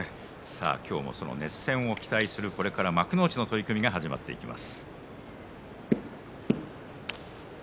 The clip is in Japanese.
今日も熱戦を期待する幕内の取組が始まっていきます。